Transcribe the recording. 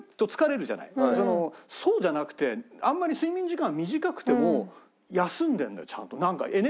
そうじゃなくてあんまり睡眠時間短くても休んでるんだよちゃんと。